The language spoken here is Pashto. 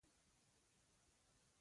نن مې کوڼۍ خوږ شي